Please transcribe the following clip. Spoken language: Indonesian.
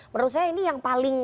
menurut saya ini yang paling